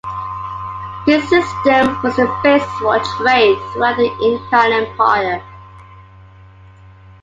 This system was the basis for trade throughout the Inca empire.